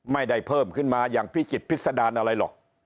ไม่ได้เพิ่มขึ้นมาอย่างพิจิตพิษดารอะไรหรอก